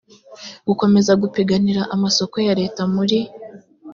gukomeza gupiganira amasoko ya leta muri